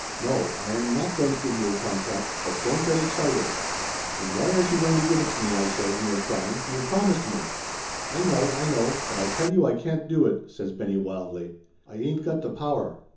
"No, I am not going to give you a con tract, but don't get excited!" "And why aren't you going to give it to me?" I says, near to crying. "You promised me !" "I know, I know, but I tell you I can't do it!" says Benny wildly. "I ain't got the power